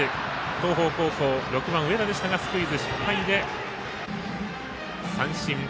東邦高校、６番上田でしたがスクイズ失敗で三振。